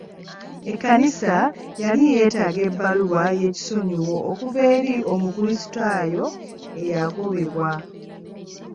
Ekkanisa yali yeetaga ebbaluwa y'ekisonyiwo okuva eri omukulisitaayo eyagobebwa.